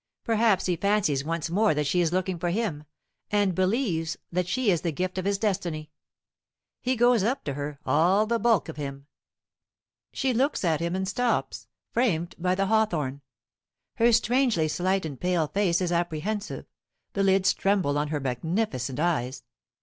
Perhaps he fancies once more that she is looking for him, and believes that she is the gift of his destiny. He goes up to her all the bulk of him. She looks at him and stops, framed by the hawthorn. Her strangely slight and pale face is apprehensive, the lids tremble on her magnificent eyes.